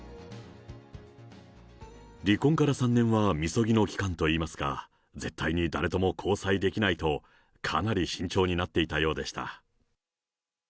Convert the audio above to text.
離婚から３年はみそぎの期間といいますか、絶対に誰とも交際できないと、かなり慎重になっていたようでした。